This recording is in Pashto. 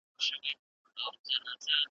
نه په غم کي د ګورم نه د ګوروان وو .